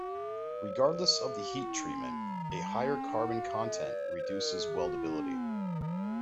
Regardless of the heat treatment, a higher carbon content reduces weldability.